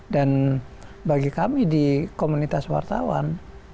dan bagi kami di komunitas wartawan